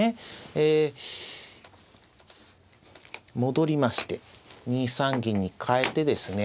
ええ戻りまして２三銀にかえてですね